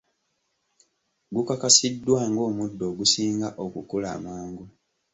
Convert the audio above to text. Gukakasiddwa ng'omuddo ogusinga okukula amangu.